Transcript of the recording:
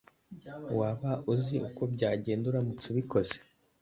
Waba uzi uko byagenda uramutse ubikoze